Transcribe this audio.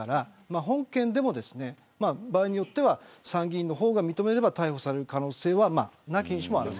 本件でも場合によっては参議院の方が認めれば逮捕される可能性は、なきにしもあらず。